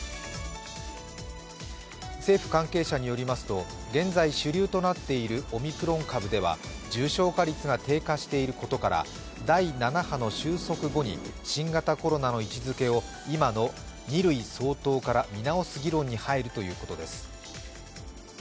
政府関係者によりますと現在主流となっている重症化率が低下していることから第７波の収束後に新型コロナの位置づけを今の２類相当から見直す議論に入るということです。